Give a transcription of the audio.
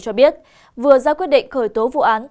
cho biết vừa ra quyết định khởi tố vụ án